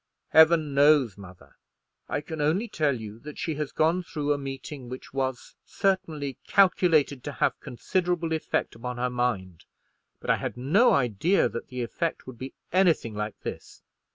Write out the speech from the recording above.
"Heaven knows, mother. I can only tell you that she has gone through a meeting which was certainly calculated to have considerable effect upon her mind. But I had no idea that the effect would be anything like this.